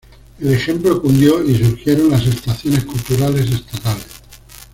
El ejemplo cundió y surgieron las estaciones culturales estatales.